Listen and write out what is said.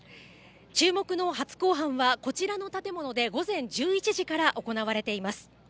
注目の初公判は、こちらの建物で午前１１時から行われています。